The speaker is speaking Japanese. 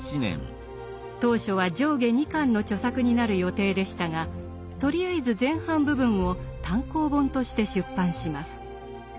当初は上下二巻の著作になる予定でしたがとりあえず前半部分を単行本として出版します。